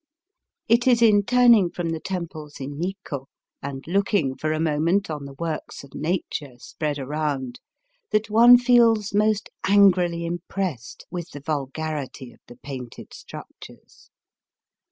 It is in turning from the temples in Nikko, and looking for a moment on the works of nature spread around, that one feels most angrily impressed with the vulgarity of the painted structures.